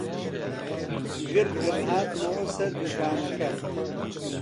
گڕگڕ هاتمەوە سەر دووکانەکەم